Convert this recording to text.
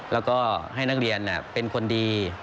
แล้วก็ให้นักเรียนเป็นคนดี